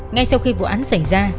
ngay sau khi vụ án xảy ra